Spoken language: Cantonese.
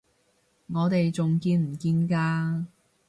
我哋仲見唔見㗎？